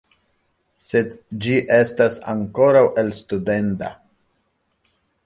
Sed ĝi estas ankoraŭ elstudenda.